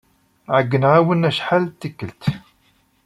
Ɛeyyneɣ-awen acḥal d tikkelt.